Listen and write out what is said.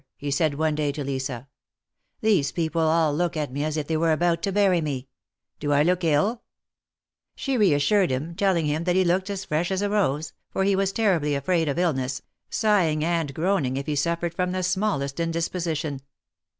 he said one day to Lisa. These people all look at me as if they were about to bury me. Do I look ill ?" She reassured him, telling him that he looked as fresh as a rose, for he was terribly afraid of illness, sighing and groaning if he suffered from the smallest indisposition.